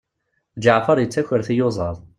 Ǧeɛfer yettaker tiyuẓaḍ.